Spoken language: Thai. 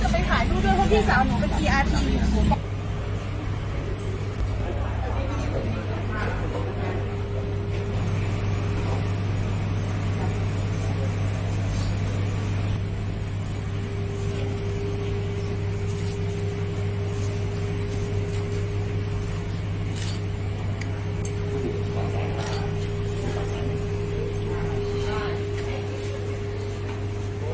แปปยมรูปแปปแปปยมครอบครัว